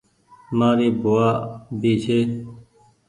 مآري ڀووآ بي ڇي ۔